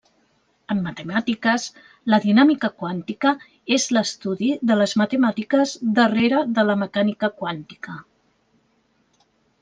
En matemàtiques, la dinàmica quàntica és l'estudi de les matemàtiques darrere de la mecànica quàntica.